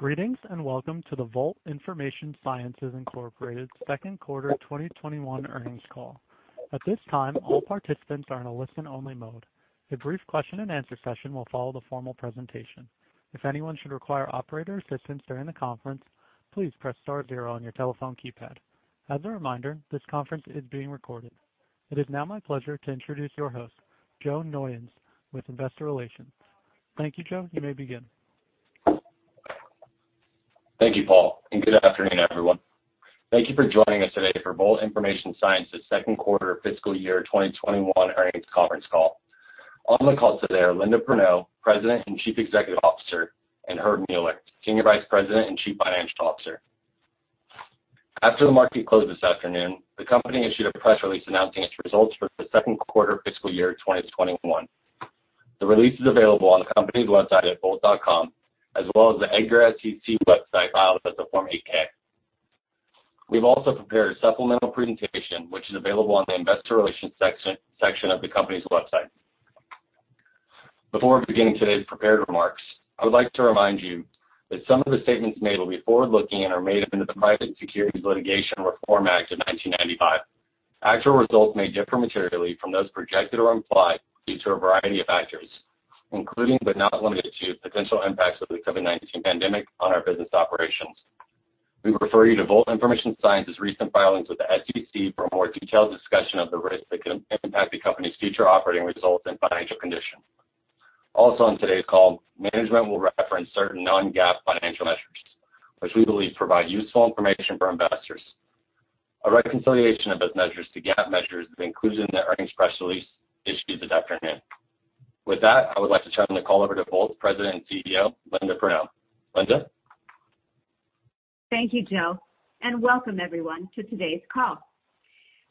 Greetings, and welcome to the Volt Information Sciences, Inc. Second Quarter 2021 Earnings Call. At this time, all participants are in a listen-only mode. A brief question and answer session will follow the formal presentation. If anyone should require operator assistance during the conference, please press star zero on your telephone keypad. As a reminder, this conference is being recorded. It is now my pleasure to introduce your host, Joe Noyons, with Investor Relations. Thank you, Joe. You may begin. Thank you, Paul, and good afternoon, everyone. Thank you for joining us today for Volt Information Sciences second quarter fiscal year 2021 earnings conference call. On the call today are Linda Perneau, President and Chief Executive Officer, and Herb Mueller, Senior Vice President and Chief Financial Officer. After the market closed this afternoon, the company issued a press release announcing its results for the second quarter of fiscal year 2021. The release is available on the company website at volt.com as well as the EDGAR SEC website filed as a Form 8-K. We've also prepared a supplemental presentation which is available on the Investor Relations section of the company's website. Before beginning today's prepared remarks, I would like to remind you that some of the statements made will be forward-looking and are made under the Private Securities Litigation Reform Act of 1995. Actual results may differ materially from those projected or implied due to a variety of factors, including but not limited to potential impacts of the COVID-19 pandemic on our business operations. We refer you to Volt Information Sciences' recent filings with the SEC for a more detailed discussion of the risks that could impact the company's future operating results and financial condition. Also on today's call, management will reference certain non-GAAP financial measures, which we believe provide useful information for investors. A reconciliation of those measures to GAAP measures is included in the earnings press release issued this afternoon. With that, I would like to turn the call over to Volt's President and Chief Executive Officer, Linda Perneau. Linda? Thank you, Joe, and welcome everyone to today's call.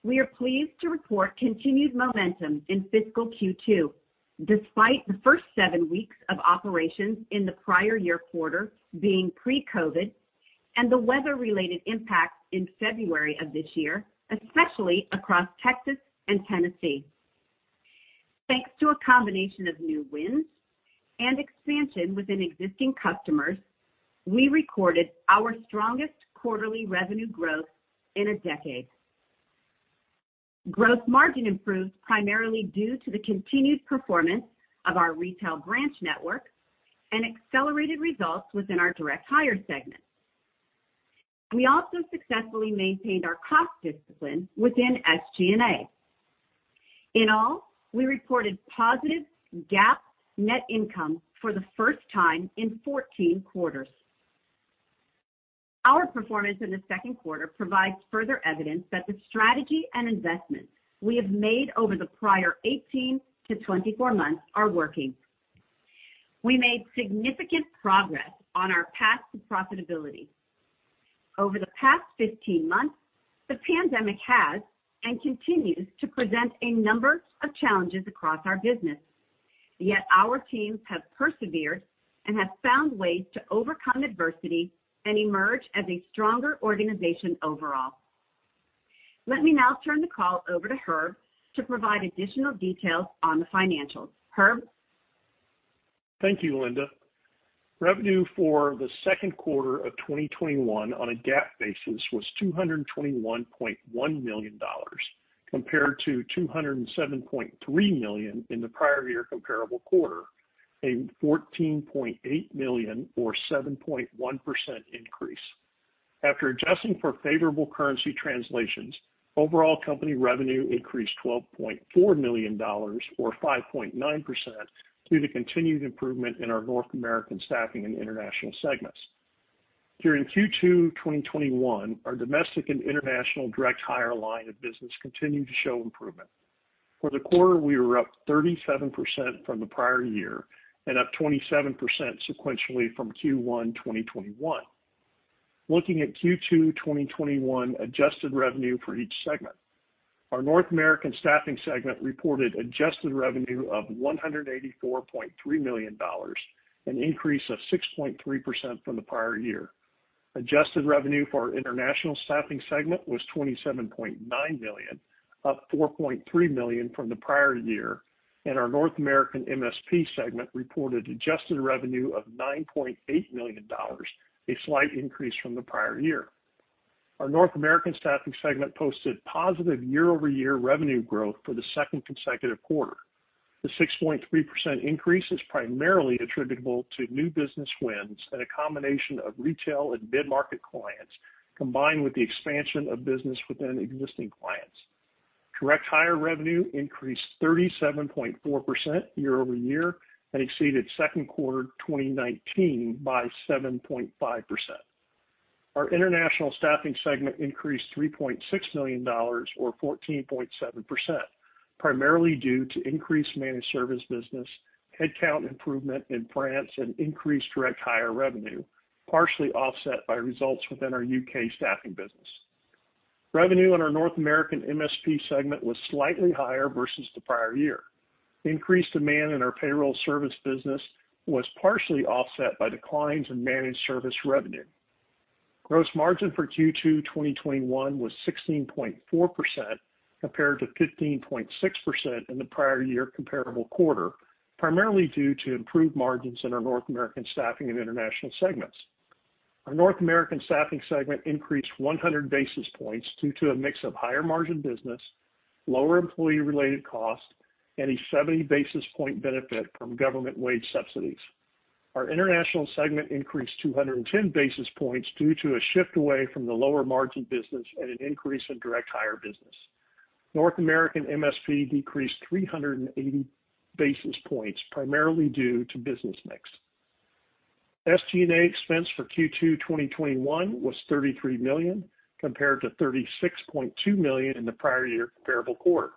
We are pleased to report continued momentum in fiscal Q2, despite the first seven weeks of operations in the prior year quarter being pre-COVID and the weather-related impacts in February of this year, especially across Texas and Tennessee. Thanks to a combination of new wins and expansion within existing customers, we recorded our strongest quarterly revenue growth in a decade. Gross margin improved primarily due to the continued performance of our retail branch network and accelerated results within our direct hire segment. We also successfully maintained our cost discipline within SG&A. In all, we recorded positive GAAP net income for the first time in 14 quarters. Our performance in the second quarter provides further evidence that the strategy and investments we have made over the prior 18-24 months are working. We made significant progress on our path to profitability. Over the past 15 months, the pandemic has and continues to present a number of challenges across our business, yet our teams have persevered and have found ways to overcome adversity and emerge as a stronger organization overall. Let me now turn the call over to Herb to provide additional details on the financials. Herb? Thank you, Linda. Revenue for the second quarter of 2021 on a GAAP basis was $221.1 million, compared to $207.3 million in the prior year comparable quarter, a $14.8 million or 7.1% increase. After adjusting for favorable currency translations, overall company revenue increased $12.4 million or 5.9% due to continued improvement in our North American Staffing and international segments. During Q2 2021, our domestic and international direct hire line of business continued to show improvement. For the quarter, we were up 37% from the prior year and up 27% sequentially from Q1 2021. Looking at Q2 2021 adjusted revenue for each segment. Our North American Staffing segment reported adjusted revenue of $184.3 million, an increase of 6.3% from the prior year. Adjusted revenue for our international staffing segment was $27.9 million, up $4.3 million from the prior year, and our North American MSP segment reported adjusted revenue of $9.8 million, a slight increase from the prior year. Our North American staffing segment posted positive year-over-year revenue growth for the second consecutive quarter. The 6.3% increase is primarily attributable to new business wins and a combination of retail and mid-market clients, combined with the expansion of business within existing clients. Direct hire revenue increased 37.4% year-over-year and exceeded second quarter 2019 by 7.5%. Our international staffing segment increased $3.6 million or 14.7%, primarily due to increased managed service business, headcount improvement in France, and increased direct hire revenue, partially offset by results within our U.K. staffing business. Revenue in our North American MSP segment was slightly higher versus the prior year. The increased demand in our payroll service business was partially offset by declines in managed service revenue. Gross margin for Q2 2021 was 16.4%, compared to 15.6% in the prior year comparable quarter, primarily due to improved margins in our North American Staffing and International segments. Our North American Staffing segment increased 100 basis points due to a mix of higher margin business, lower employee-related costs, and a 70 basis point benefit from government wage subsidies. Our International segment increased 210 basis points due to a shift away from the lower margin business and an increase in direct hire business. North American MSP decreased 380 basis points, primarily due to business mix. SG&A expense for Q2 2021 was $33 million, compared to $36.2 million in the prior year comparable quarter.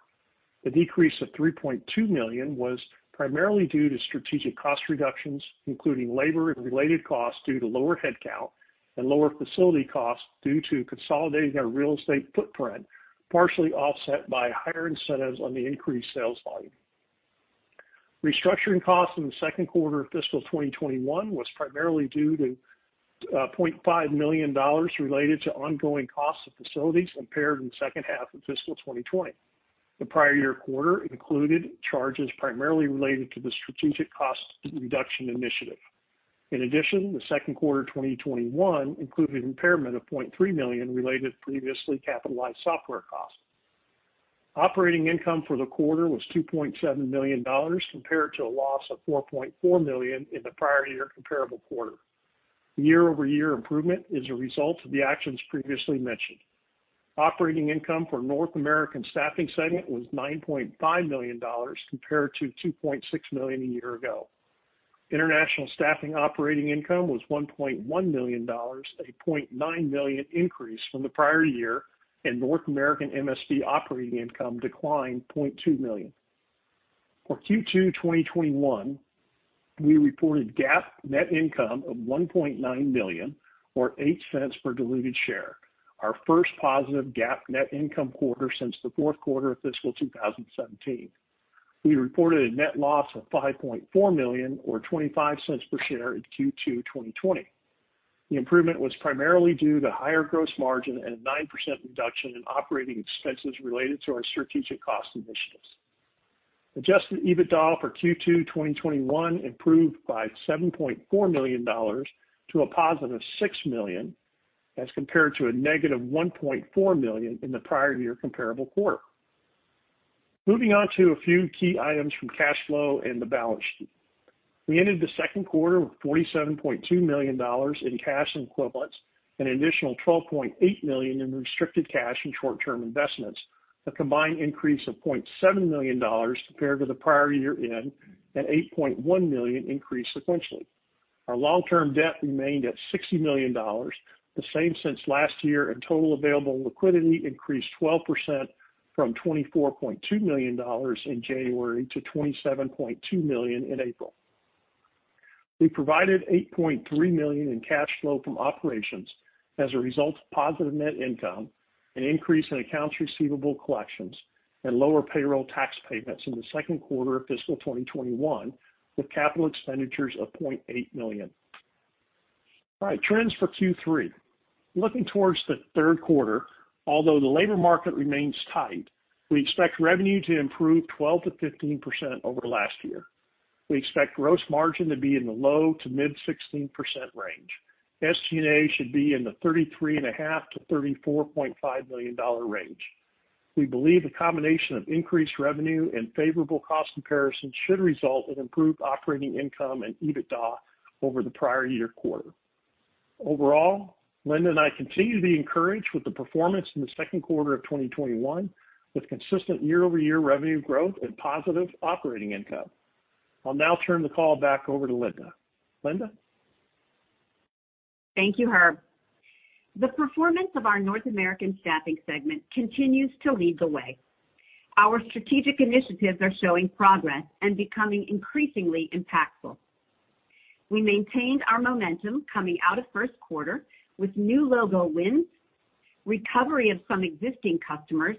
The decrease of $3.2 million was primarily due to strategic cost reductions, including labor and related costs due to lower headcount and lower facility costs due to consolidating our real estate footprint, partially offset by higher incentives on the increased sales volume. Restructuring costs in the second quarter of fiscal 2021 was primarily due to $0.5 million related to ongoing costs of facilities impaired in the second half of fiscal 2020. The prior year quarter included charges primarily related to the strategic cost reduction initiative. In addition, the second quarter 2021 included impairment of $0.3 million related to previously capitalized software costs. Operating income for the quarter was $2.7 million, compared to a loss of $4.4 million in the prior year comparable quarter. The year-over-year improvement is a result of the actions previously mentioned. Operating income for North American Staffing segment was $9.5 million, compared to $2.6 million a year ago. International Staffing operating income was $1.1 million, a $0.9 million increase from the prior year, and North American MSP operating income declined $0.2 million. For Q2 2021, we reported GAAP net income of $1.9 million, or $0.08 per diluted share, our first positive GAAP net income quarter since the fourth quarter of fiscal 2017. We reported a net loss of $5.4 million, or $0.25 per share in Q2 2020. The improvement was primarily due to higher gross margin and a 9% reduction in operating expenses related to our strategic cost initiatives. Adjusted EBITDA for Q2 2021 improved by $7.4 million to a positive $6 million, as compared to a -$1.4 million in the prior year comparable quarter. Moving on to a few key items from cash flow and the balance sheet. We ended the second quarter with $47.2 million in cash equivalents, an additional $12.8 million in restricted cash and short-term investments, a combined increase of $0.7 million compared to the prior year end, an $8.1 million increase sequentially. Our long-term debt remained at $60 million, the same since last year, and total available liquidity increased 12% from $24.2 million in January to $27.2 million in April. We provided $8.3 million in cash flow from operations as a result of positive net income, an increase in accounts receivable collections, and lower payroll tax payments in the second quarter of fiscal 2021, with capital expenditures of $0.8 million. All right. Trends for Q3. Looking towards the third quarter, although the labor market remains tight, we expect revenue to improve 12%-15% over last year. We expect gross margin to be in the low to mid-16% range. SG&A should be in the $33.5 million-$34.5 million range. We believe a combination of increased revenue and favorable cost comparison should result in improved operating income and EBITDA over the prior year quarter. Overall, Linda and I continue to be encouraged with the performance in the second quarter of 2021, with consistent year-over-year revenue growth and positive operating income. I'll now turn the call back over to Linda. Linda? Thank you, Herb. The performance of our North American Staffing segment continues to lead the way. Our strategic initiatives are showing progress and becoming increasingly impactful. We maintained our momentum coming out of first quarter with new logo wins, recovery of some existing customers,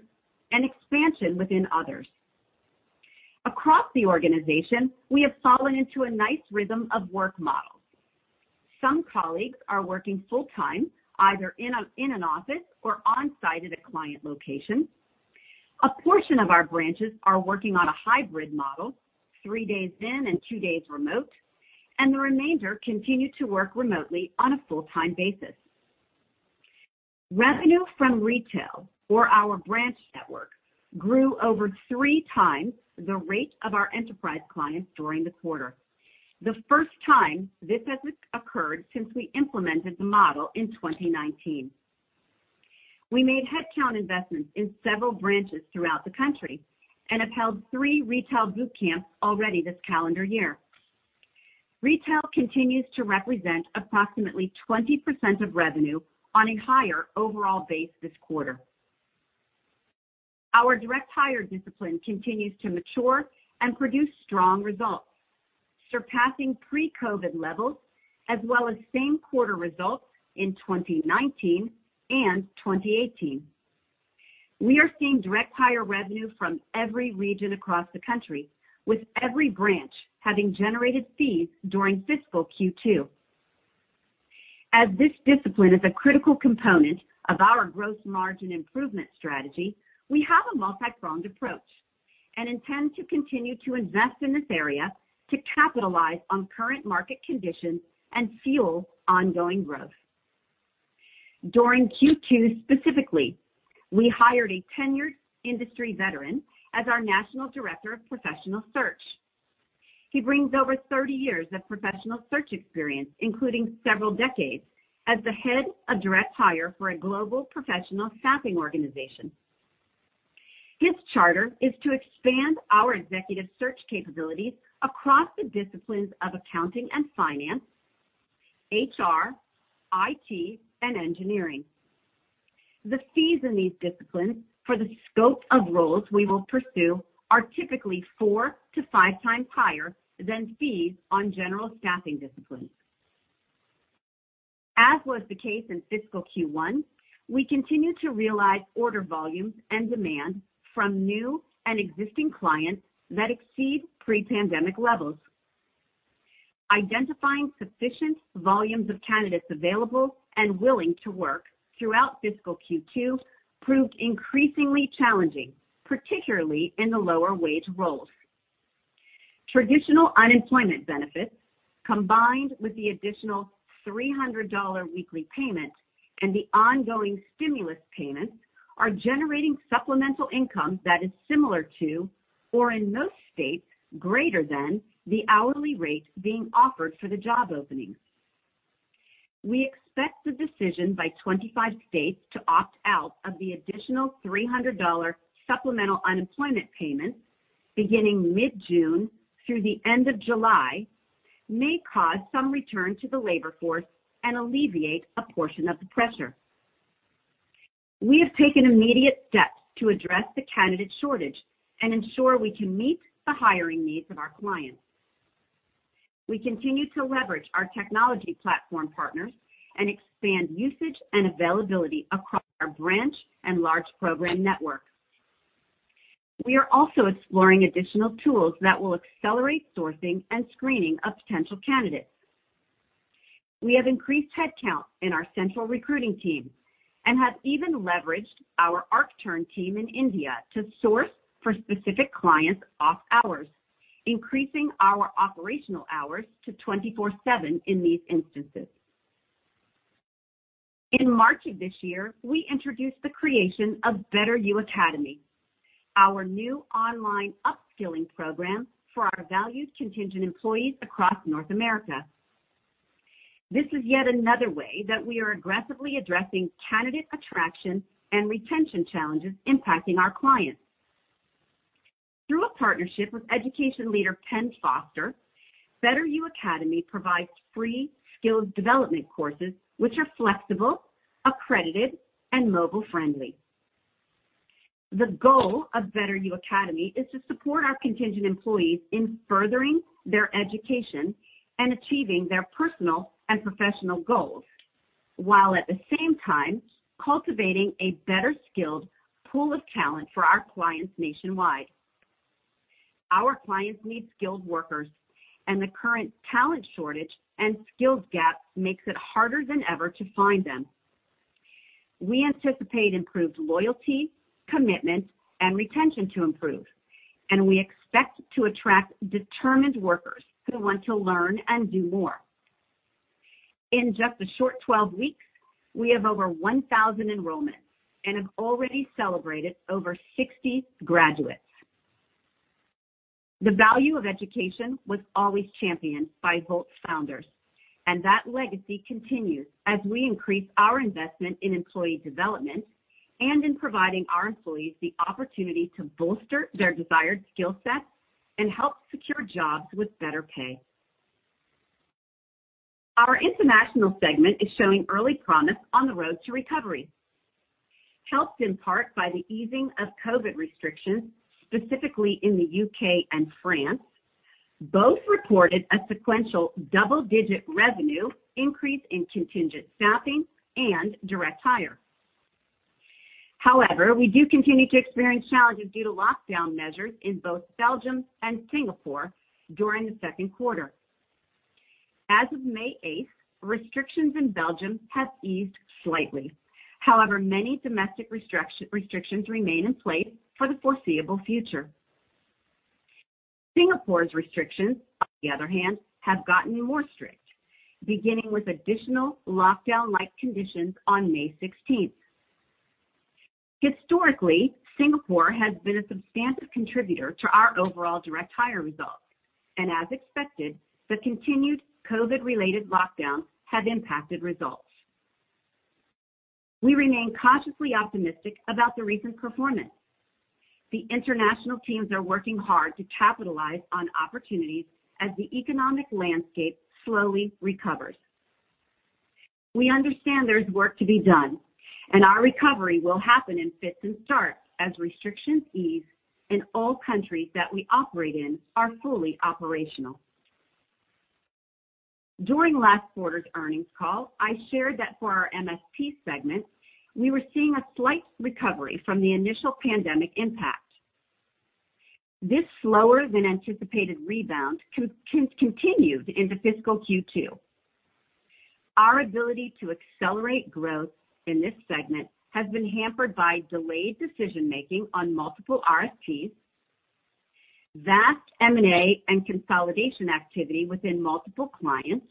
and expansion within others. Across the organization, we have fallen into a nice rhythm of work models. Some colleagues are working full-time, either in an office or on-site at a client location. A portion of our branches are working on a hybrid model, three days in and two days remote, and the remainder continue to work remotely on a full-time basis. Revenue from retail for our branch network grew over three times the rate of our enterprise clients during the quarter. The first time this has occurred since we implemented the model in 2019. We made headcount investments in several branches throughout the country and have held three retail boot camps already this calendar year. Retail continues to represent approximately 20% of revenue on a higher overall base this quarter. Our direct hire discipline continues to mature and produce strong results, surpassing pre-COVID levels as well as same-quarter results in 2019 and 2018. We are seeing direct hire revenue from every region across the country, with every branch having generated fees during fiscal Q2. As this discipline is a critical component of our gross margin improvement strategy, we have a multi-pronged approach and intend to continue to invest in this area to capitalize on current market conditions and fuel ongoing growth. During Q2 specifically, we hired a tenured industry veteran as our national director of professional search. He brings over 30 years of professional search experience, including several decades as the head of direct hire for a global professional staffing organization. His charter is to expand our executive search capabilities across the disciplines of accounting and finance, HR, IT, and engineering. The fees in these disciplines for the scope of roles we will pursue are typically four to five times higher than fees on general staffing disciplines. As was the case in fiscal Q1, we continue to realize order volumes and demand from new and existing clients that exceed pre-pandemic levels. Identifying sufficient volumes of candidates available and willing to work throughout fiscal Q2 proved increasingly challenging, particularly in the lower wage roles. Traditional unemployment benefits, combined with the additional $300 weekly payment and the ongoing stimulus payments, are generating supplemental income that is similar to, or in most states, greater than the hourly rates being offered for the job openings. We expect the decision by 25 states to opt out of the additional $300 supplemental unemployment payments beginning mid-June through the end of July may cause some return to the labor force and alleviate a portion of the pressure. We have taken immediate steps to address the candidate shortage and ensure we can meet the hiring needs of our clients. We continue to leverage our technology platform partners and expand usage and availability across our branch and large program networks. We are also exploring additional tools that will accelerate sourcing and screening of potential candidates. We have increased headcount in our central recruiting team and have even leveraged our Arctern team in India to source for specific clients off hours, increasing our operational hours to 24/7 in these instances. In March of this year, we introduced the creation of Better U Academy, our new online upskilling program for our valued contingent employees across North America. This is yet another way that we are aggressively addressing candidate attraction and retention challenges impacting our clients. Through a partnership with education leader Penn Foster, Better U Academy provides free skills development courses which are flexible, accredited, and mobile-friendly. The goal of Better U Academy is to support our contingent employees in furthering their education and achieving their personal and professional goals, while at the same time cultivating a better-skilled pool of talent for our clients nationwide. Our clients need skilled workers, and the current talent shortage and skills gap makes it harder than ever to find them. We anticipate improved loyalty, commitment, and retention to improve, and we expect to attract determined workers who want to learn and do more. In just a short 12 weeks, we have over 1,000 enrollments and have already celebrated over 60 graduates. The value of education was always championed by Volt's founders, and that legacy continues as we increase our investment in employee development and in providing our employees the opportunity to bolster their desired skill sets and help secure jobs with better pay. Our International segment is showing early promise on the road to recovery. Helped in part by the easing of COVID restrictions, specifically in the U.K. and France, both reported a sequential double-digit revenue increase in contingent staffing and direct hire. However, we do continue to experience challenges due to lockdown measures in both Belgium and Singapore during the second quarter. As of May 8th, restrictions in Belgium have eased slightly. However, many domestic restrictions remain in place for the foreseeable future. Singapore's restrictions, on the other hand, have gotten more strict, beginning with additional lockdown-like conditions on May 16th. Historically, Singapore has been a substantive contributor to our overall direct hire results, and as expected, the continued COVID-related lockdowns have impacted results. We remain cautiously optimistic about the recent performance. The international teams are working hard to capitalize on opportunities as the economic landscape slowly recovers. We understand there's work to be done, and our recovery will happen in fits and starts as restrictions ease and all countries that we operate in are fully operational. During last quarter's earnings call, I shared that for our MSP segment, we were seeing a slight recovery from the initial pandemic impact. This slower than anticipated rebound continued into fiscal Q2. Our ability to accelerate growth in this segment has been hampered by delayed decision-making on multiple RFPs, vast M&A and consolidation activity within multiple clients,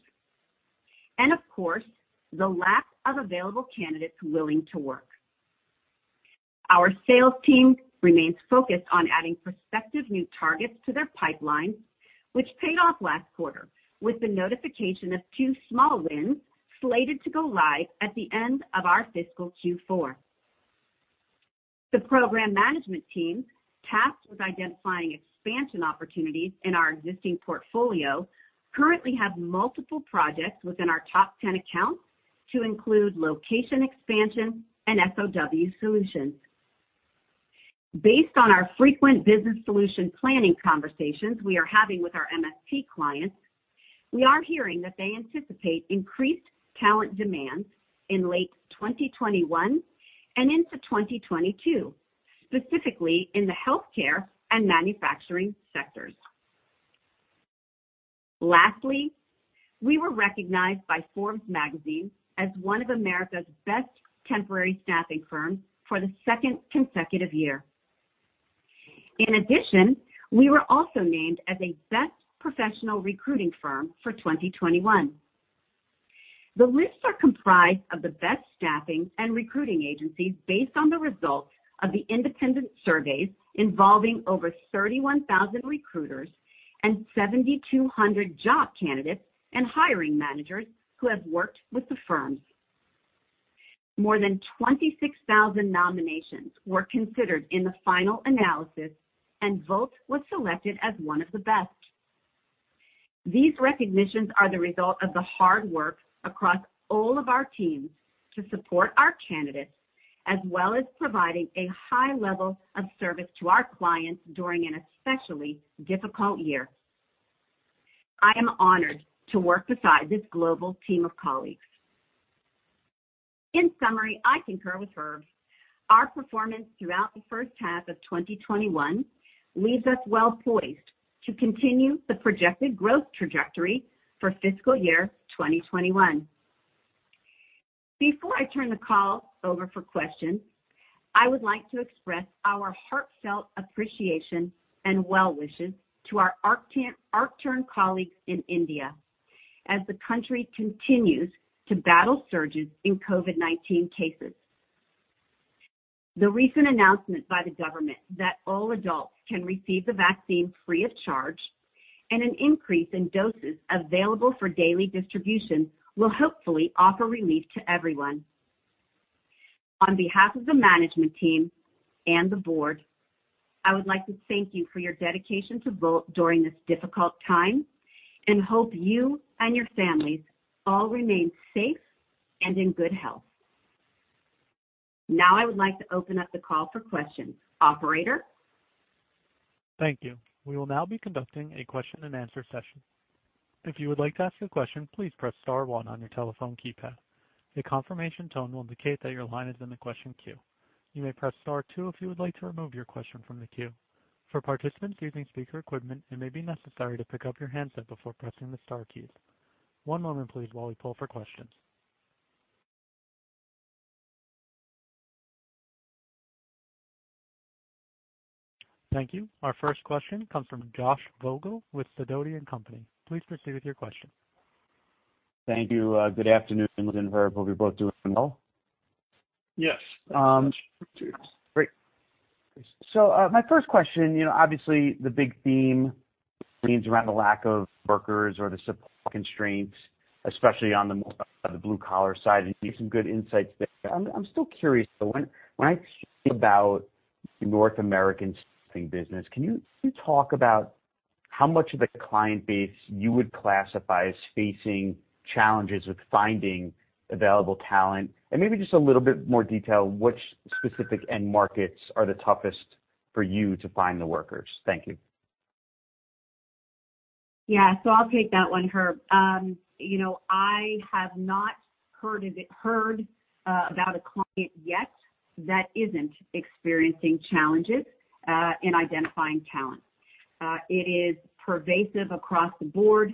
and of course, the lack of available candidates willing to work. Our sales team remains focused on adding prospective new targets to their pipelines, which paid off last quarter with the notification of two small wins slated to go live at the end of our fiscal Q4. The program management team, tasked with identifying expansion opportunities in our existing portfolio, currently have multiple projects within our top 10 accounts to include location expansion and SOW solutions. Based on our frequent business solution planning conversations we are having with our MSP clients, we are hearing that they anticipate increased talent demand in late 2021 and into 2022, specifically in the healthcare and manufacturing sectors. Lastly, we were recognized by Forbes Magazine as one of America's best temporary staffing firms for the second consecutive year. In addition, we were also named as a best professional recruiting firm for 2021. The lists are comprised of the best staffing and recruiting agencies based on the results of the independent surveys involving over 31,000 recruiters and 7,200 job candidates and hiring managers who have worked with the firms. More than 26,000 nominations were considered in the final analysis, and Volt was selected as one of the best. These recognitions are the result of the hard work across all of our teams to support our candidates, as well as providing a high level of service to our clients during an especially difficult year. I am honored to work beside this global team of colleagues. In summary, I concur with Herb. Our performance throughout the first half of 2021 leaves us well poised to continue the projected growth trajectory for fiscal year 2021. Before I turn the call over for questions, I would like to express our heartfelt appreciation and well wishes to our Arctern colleagues in India as the country continues to battle surges in COVID-19 cases. The recent announcement by the government that all adults can receive the vaccine free of charge and an increase in doses available for daily distribution will hopefully offer relief to everyone. On behalf of the management team and the board, I would like to thank you for your dedication to Volt during this difficult time and hope you and your families all remain safe and in good health. Now I would like to open up the call for questions. Operator? Thankyou, we will now begin our question and answer session. If you would like to ask a question, please press star one on your telephone keypad. The confirmation tone will indicate that your line is in the question queue. You may press star two if you would like to remove your question from the queue. For participants using speaker equipment, it may be necessary to pick up your handset before pressing the star key. One moment while we poll for questions. Thankyou. Our first question comes from Josh Vogel with Sidoti & Company. Please proceed with your question. Thank you. Good afternoon, Linda and Herb. Hope you're both doing well. Yes. Great. My first question, obviously the big theme seems around the lack of workers or the supply constraints, especially on the blue-collar side, and you gave some good insights there. I'm still curious though, when I think about the North American staffing business, can you talk about how much of the client base you would classify as facing challenges with finding available talent? Maybe just a little bit more detail, which specific end markets are the toughest for you to find the workers? Thank you. Yeah. I'll take that one, Herb. I have not heard about a client yet that isn't experiencing challenges in identifying talent. It is pervasive across the board,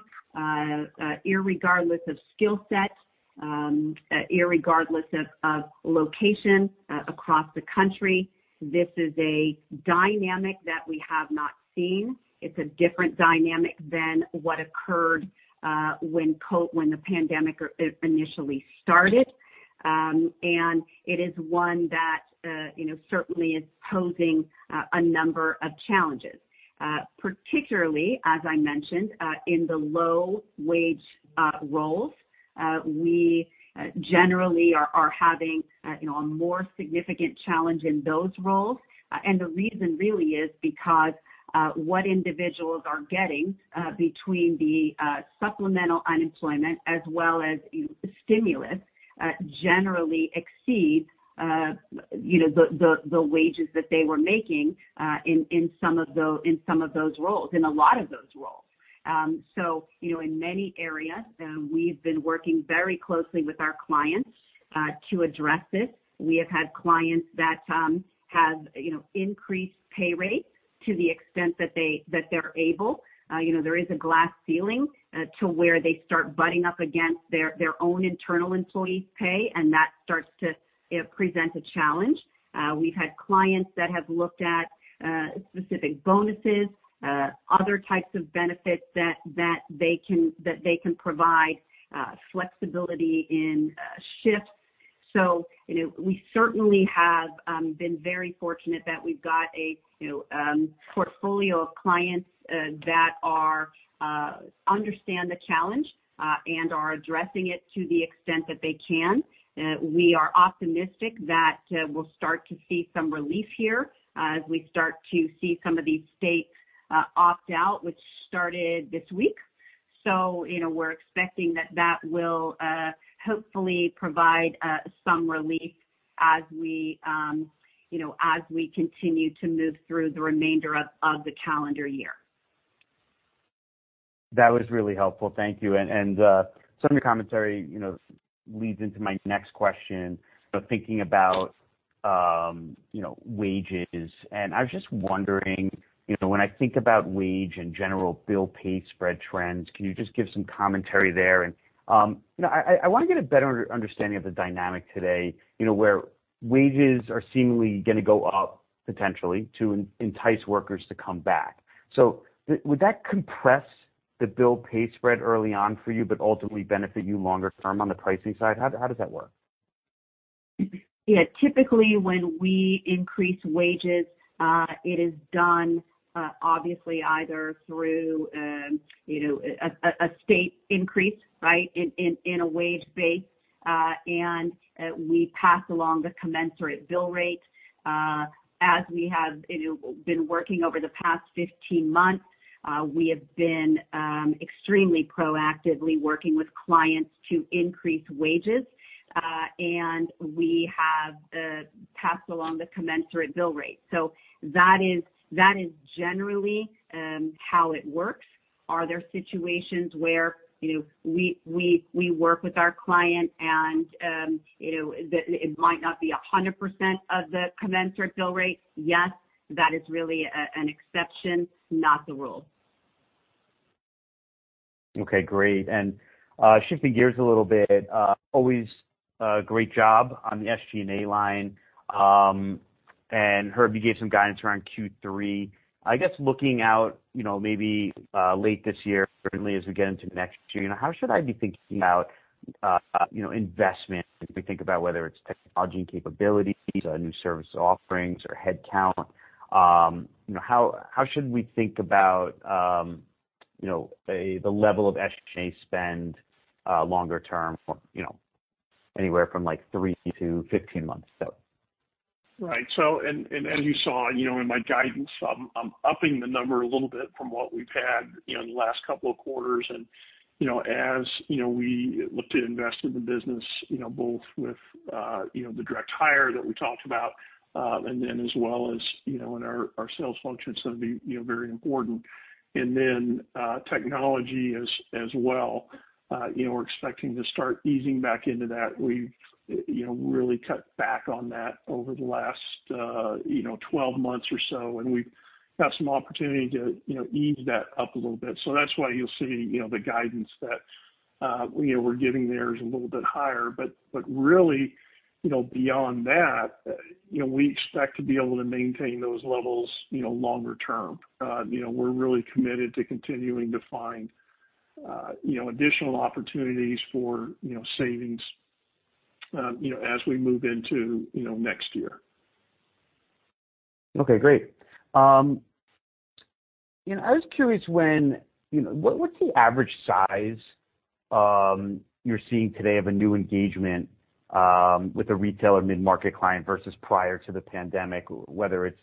irregardless of skill set, irregardless of location across the country. This is a dynamic that we have not seen. It's a different dynamic than what occurred when the pandemic initially started. It is one that certainly is posing a number of challenges. Particularly, as I mentioned, in the low-wage roles. We generally are having a more significant challenge in those roles, and the reason really is because what individuals are getting between the supplemental unemployment as well as stimulus generally exceeds the wages that they were making in a lot of those roles. In many areas, we've been working very closely with our clients to address this. We have had clients that have increased pay rates to the extent that they're able. There is a glass ceiling to where they start butting up against their own internal employees' pay, and that starts to present a challenge. We've had clients that have looked at specific bonuses, other types of benefits that they can provide flexibility in shifts. We certainly have been very fortunate that we've got a portfolio of clients that understand the challenge and are addressing it to the extent that they can. We are optimistic that we'll start to see some relief here as we start to see some of these states opt-out, which started this week. We're expecting that that will hopefully provide some relief as we continue to move through the remainder of the calendar year. That was really helpful. Thank you. Some of your commentary leads into my next question. Thinking about wages, and I was just wondering, when I think about wage and general bill pay spread trends, can you just give some commentary there? I want to get a better understanding of the dynamic today, where wages are seemingly going to go up, potentially, to entice workers to come back. Would that compress the bill pay spread early on for you but ultimately benefit you longer term on the pricing side? How does that work? Yeah. Typically, when we increase wages, it is done obviously either through a state increase, right, in a wage base, and we pass along the commensurate bill rate. As we have been working over the past 15 months, we have been extremely proactively working with clients to increase wages, and we have passed along the commensurate bill rate. That is generally how it works. Are there situations where we work with our client, and it might not be 100% of the commensurate bill rate? Yes. That is really an exception, not the rule. Okay, great. Shifting gears a little bit, always a great job on the SG&A line. Heard you gave some guidance around Q3. I guess looking out maybe late this year, certainly as we get into next year, how should I be thinking about investments as we think about whether it's technology capabilities or new service offerings or headcount? How should we think about the level of SG&A spend longer term for anywhere from 3-15 months out? Right. and as you saw in my guidance, I'm upping the number a little bit from what we've had in the last couple of quarters. as we look to invest in the business, both with the direct hire that we talked about, and then as well as in our sales function, it's going to be very important. Technology as well. We're expecting to start easing back into that. We've really cut back on that over the last 12 months or so, and we've got some opportunity to ease that up a little bit. that's why you'll see the guidance that we're giving there is a little bit higher. really, beyond that, we expect to be able to maintain those levels longer term. We're really committed to continuing to find additional opportunities for savings as we move into next year. Okay, great. I was curious, what's the average size you're seeing today of a new engagement with a retail or mid-market client versus prior to the pandemic, whether it's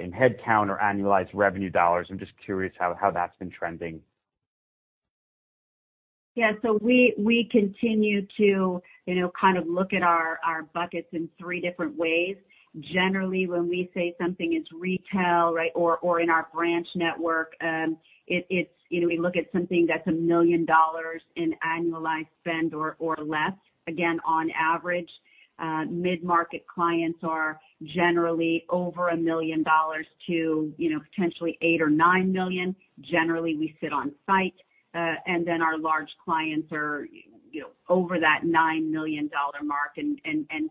in headcount or annualized revenue dollars? I'm just curious how that's been trending. Yeah. We continue to kind of look at our buckets in three different ways. Generally, when we say something is retail, right, or in our branch network, we look at something that's one $1 million in annualized spend or less. Again, on average, mid-market clients are generally over $1 million to potentially $8 million or $9 million. Generally, we sit on site. Our large clients are over that $9 million mark and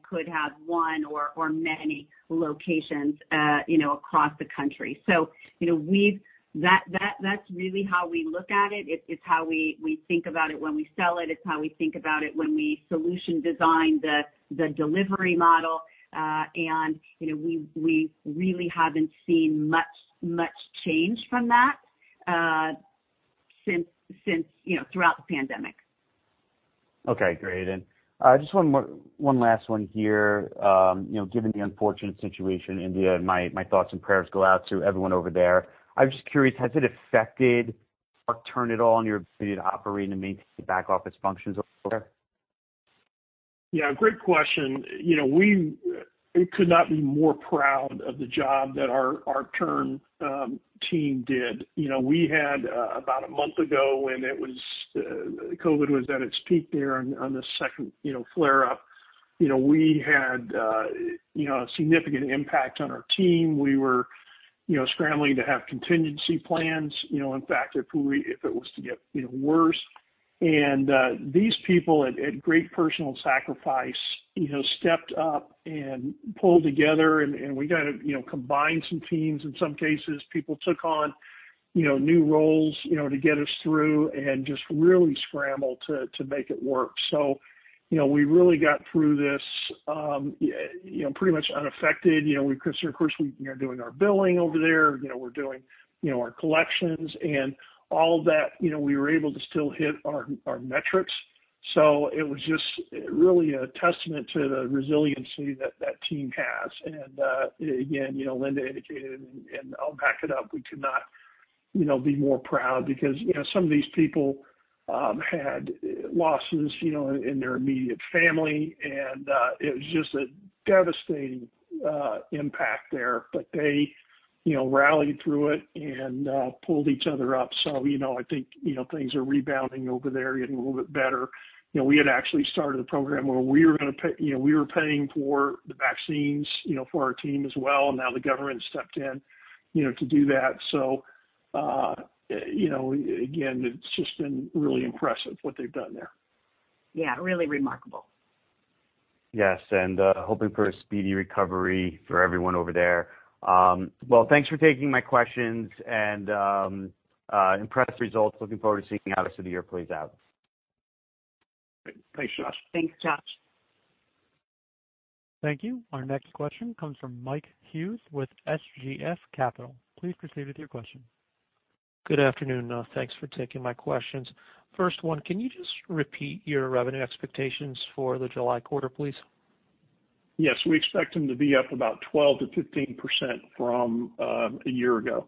could have one or many locations across the country. That's really how we look at it. It's how we think about it when we sell it. It's how we think about it when we solution design the delivery model. We really haven't seen much change from that throughout the pandemic. Okay, great. Just one last one here. Given the unfortunate situation in India, and my thoughts and prayers go out to everyone over there. I'm just curious, has it affected or turned at all in your ability to operate and maintain back-office functions over there? Yeah, great question. We could not be more proud of the job that our ArcTern team did. We had about a month ago when COVID was at its peak there on the second flare-up, we had a significant impact on our team. We were scrambling to have contingency plans in fact if it was to get worse. These people at great personal sacrifice stepped up and pulled together, and we got to combine some teams. In some cases, people took on new roles to get us through and just really scrambled to make it work. We really got through this pretty much unaffected. Of course, we are doing our billing over there, we're doing our collections, and all that. We were able to still hit our metrics. It was just really a testament to the resiliency that that team has. Again, Linda indicated, and I'll back it up, we could not be more proud because some of these people had losses in their immediate family, and it was just a devastating impact there. They rallied through it and pulled each other up. I think, things are rebounding over there, getting a little bit better. We had actually started a program where we were paying for the vaccines for our team as well, and now the government stepped in to do that. Again, it's just been really impressive what they've done there. Yeah, really remarkable. Yes, hoping for a speedy recovery for everyone over there. Well, thanks for taking my questions, and impressed results. Looking forward to seeing the rest of the year play out. Thanks, Josh. Thanks, Josh. Thank you. Our next question comes from Mike Hughes with SGF Capital. Please proceed with your question. Good afternoon. Thanks for taking my questions. First one, can you just repeat your revenue expectations for the July quarter, please? Yes. We expect them to be up about 12%-15% from a year ago.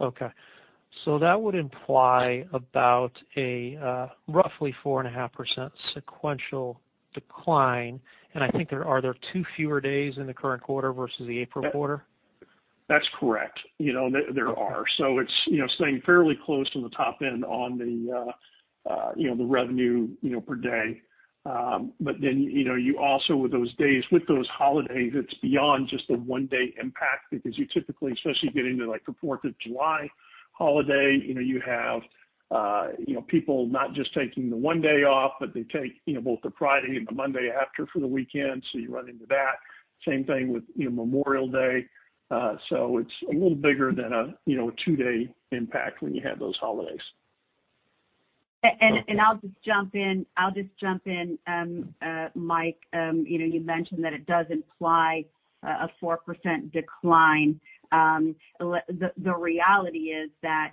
Okay. That would imply about a roughly 4.5% sequential decline. I think there are two fewer days in the current quarter versus the April quarter? That's correct. There are. It's staying fairly close on the top end on the revenue per day. You also with those days, with those holidays, it's beyond just a one-day impact because you typically, especially getting to the Fourth of July holiday, you have people not just taking the one day off, but they take both the Friday and the Monday after for the weekend. You run into that. Same thing with Memorial Day. It's a little bigger than a two-day impact when you have those holidays. I'll just jump in, Mike. You mentioned that it does imply a 4% decline. The reality is that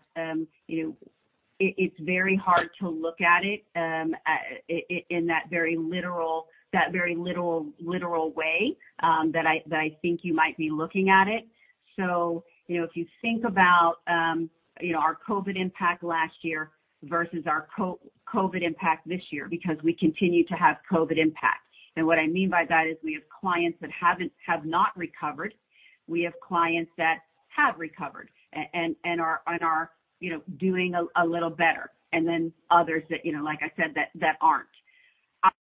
it's very hard to look at it in that very literal way that I think you might be looking at it. If you think about our COVID impact last year versus our COVID impact this year, because we continue to have COVID impacts. What I mean by that is we have clients that have not recovered. We have clients that have recovered and are doing a little better, and then others that, like I said, that aren't.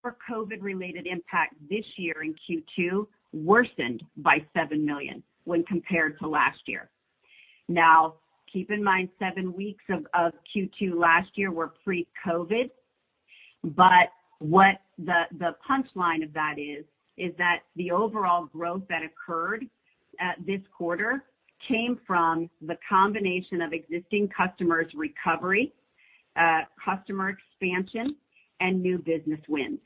Our COVID-related impact this year in Q2 worsened by $7 million when compared to last year. Now, keep in mind, seven weeks of Q2 last year were pre-COVID. what the punchline of that is that the overall growth that occurred this quarter came from the combination of existing customers' recovery, customer expansion, and new business wins.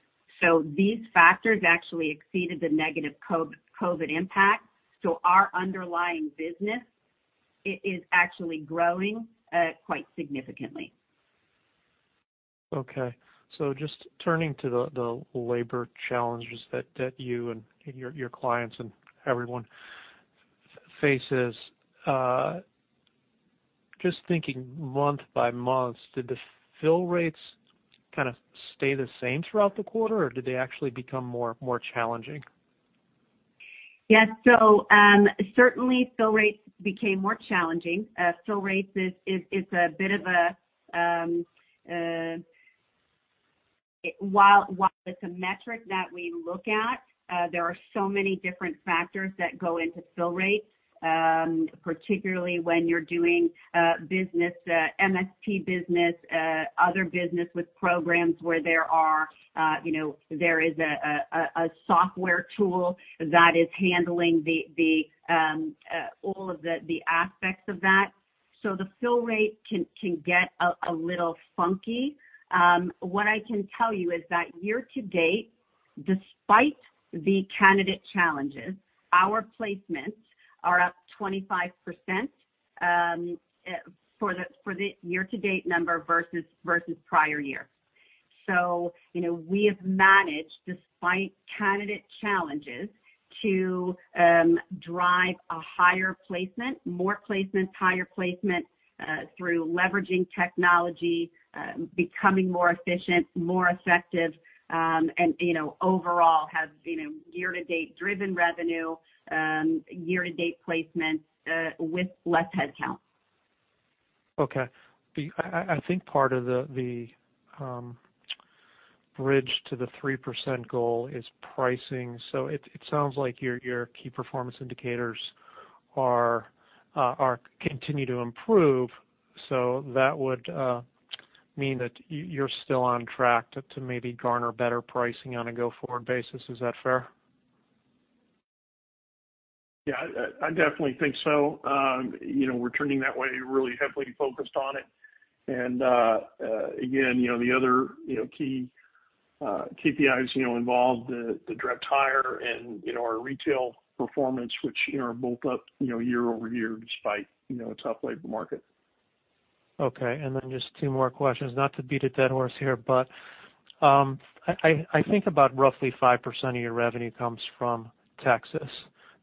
these factors actually exceeded the negative COVID impact. our underlying business is actually growing quite significantly. Okay. Just turning to the labor challenges that you and your clients and everyone faces. Just thinking month-by-month, did the fill rates kind of stay the same throughout the quarter, or did they actually become more challenging? Yeah. certainly fill rates became more challenging. Fill rates, while it's a metric that we look at, there are so many different factors that go into fill rates, particularly when you're doing MSP business, other business with programs where there is a software tool that is handling all of the aspects of that. The fill rate can get a little funky. What I can tell you is that year-to-date, despite the candidate challenges, our placements are up 25% for the year-to-date number versus prior year. We have managed, despite candidate challenges, to drive a higher placement, more placements, higher placement, through leveraging technology, becoming more efficient, more effective, and overall has year-to-date driven revenue, year-to-date placements with less head count. Okay. I think part of the bridge to the 3% goal is pricing. It sounds like your key performance indicators continue to improve. That would mean that you're still on track to maybe garner better pricing on a go-forward basis. Is that fair? Yeah, I definitely think so. We're turning that way, really heavily focused on it. Again, the other key KPIs involved, the direct hire and our retail performance, which are both up year-over-year despite a tough labor market. Okay, and then just two more questions. Not to beat a dead horse here, but, I think about roughly 5% of your revenue comes from Texas.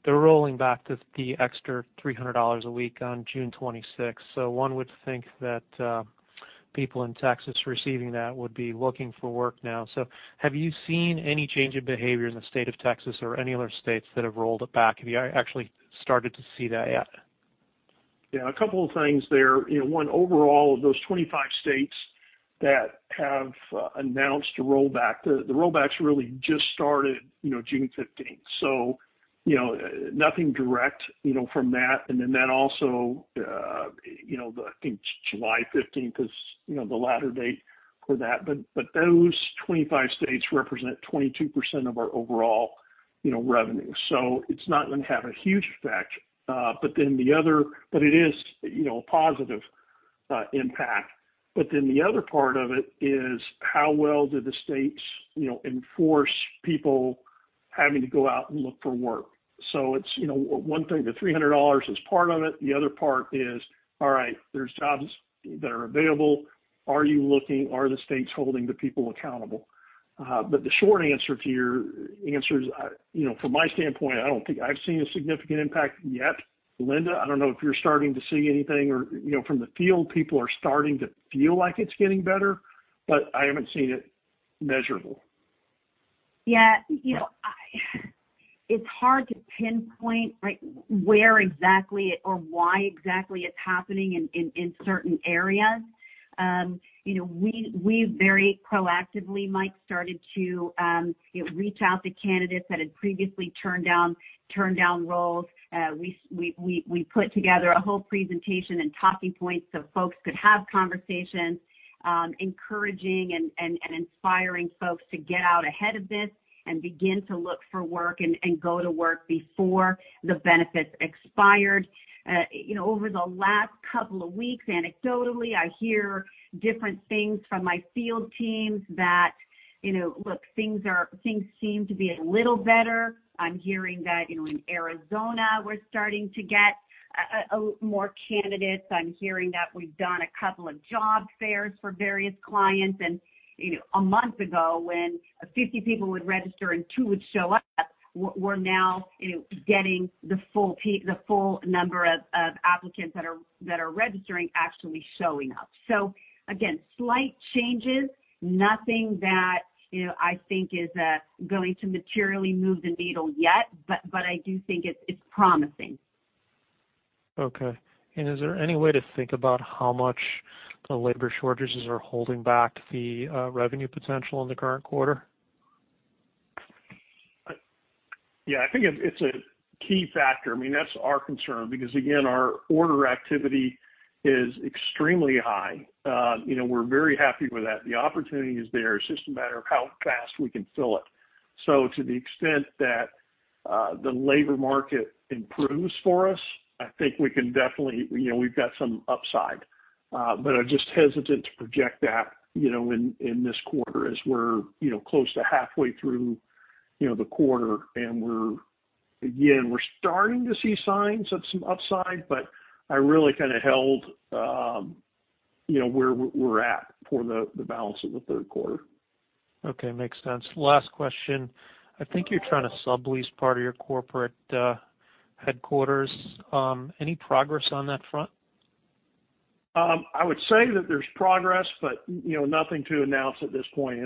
They're rolling back the extra $300 a week on June 26th. One would think that people in Texas receiving that would be looking for work now. Have you seen any change of behavior in the state of Texas or any other states that have rolled it back? Have you actually started to see that yet? Yeah, a couple of things there. One, overall, of those 25 states that have announced a rollback, the rollbacks really just started June 15th, so nothing direct from that. I think July 15th is the latter date for that. Those 25 states represent 22% of our overall revenue. It's not going to have a huge effect, but it is a positive impact. The other part of it is how well do the states enforce people having to go out and look for work. It's one thing, the $300 is part of it. The other part is, all right, there's jobs that are available. Are you looking? Are the states holding the people accountable? The short answer to your answer is, from my standpoint, I don't think I've seen a significant impact yet. Linda, I don't know if you're starting to see anything or, from the field, people are starting to feel like it's getting better, but I haven't seen it measurable. Yeah. It's hard to pinpoint where exactly or why exactly it's happening in certain areas. We very proactively, Mike, started to reach out to candidates that had previously turned down roles. We put together a whole presentation and talking points so folks could have conversations, encouraging and inspiring folks to get out ahead of this and begin to look for work and go to work before the benefits expired. Over the last couple of weeks, anecdotally, I hear different things from my field teams that things seem to be a little better. I'm hearing that in Arizona, we're starting to get more candidates. I'm hearing that we've done a couple of job fairs for various clients. A month ago, when 50 people would register and two would show up, we're now getting the full number of applicants that are registering, actually showing up. Again, slight changes. Nothing that I think is going to materially move the needle yet. I do think it's promising. Okay. Is there any way to think about how much the labor shortages are holding back the revenue potential in the current quarter? Yeah, I think it's a key factor. That's our concern because again, our order activity is extremely high. We're very happy with that. The opportunity is there. It's just a matter of how fast we can fill it. To the extent that the labor market improves for us, I think we can definitely, we've got some upside. I'm just hesitant to project that in this quarter as we're close to halfway through the quarter, and again, we're starting to see signs of some upside, but I really held where we're at for the balance of the third quarter. Okay. Makes sense. Last question. I think you're trying to sublease part of your corporate headquarters. Any progress on that front? I would say that there's progress, but nothing to announce at this point.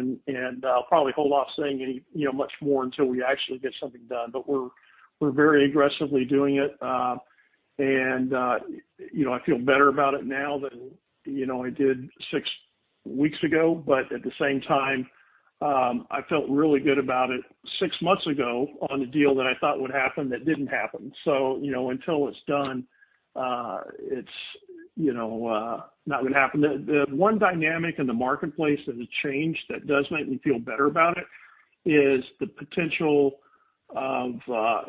I'll probably hold off saying much more until we actually get something done. We're very aggressively doing it. I feel better about it now than I did six weeks ago. At the same time, I felt really good about it six months ago on a deal that I thought would happen that didn't happen. Until it's done, it's not going to happen. The one dynamic in the marketplace that has changed that does make me feel better about it is the potential of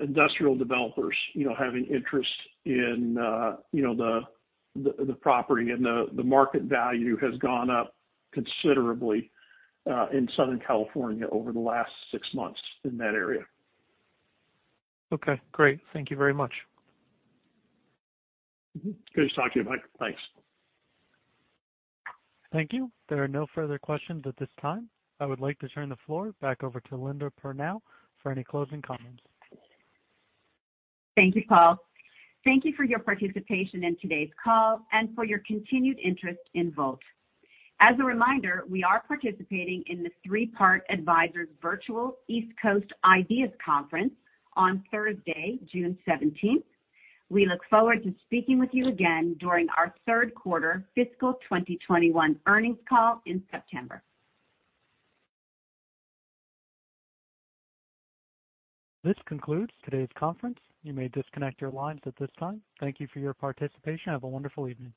industrial developers having interest in the property, and the market value has gone up considerably in Southern California over the last six months in that area. Okay, great. Thank you very much. Good talking to you, Mike. Thanks. Thank you. There are no further questions at this time. I would like to turn the floor back over to Linda for now for any closing comments. Thank you, Paul. Thank you for your participation in today's call and for your continued interest in Volt. As a reminder, we are participating in the Three Part Advisors Virtual East Coast Ideas Conference on Thursday, June 17th. We look forward to speaking with you again during our third quarter fiscal 2021 earnings call in September. This concludes today's conference. You may disconnect your lines at this time. Thank you for your participation. Have a wonderful evening.